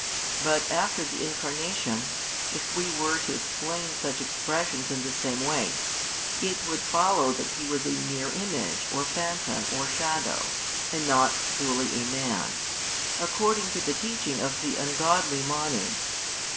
But after the Incarnation, if we were to explain such expressions in the same way, it would follow that He was a mere image or phantom or shadow and not truly a Man, according to the teaching of the ungodly Manes.